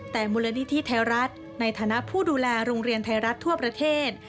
แต่มูลนิธิไทยรัฐในฐานะผู้ดูแลโรงเรียนไทยรัฐทั่วประเทศ